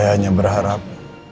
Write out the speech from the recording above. saya hanya berharap